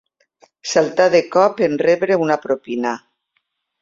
Saltà de cop en rebre una propina.